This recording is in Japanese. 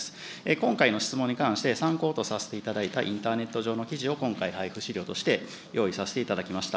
今回の質問に関して、参考とさせていただいたインターネット上の記事を今回、配布資料として、用意させていただきました。